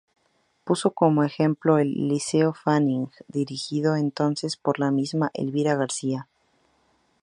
Puso como ejemplo el "Liceo Fanning", dirigido entonces por la misma Elvira García.